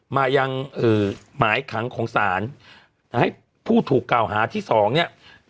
มายังอืมหมายขังของสารนะฮะผู้ถูกเก่าหาที่สองเนี้ย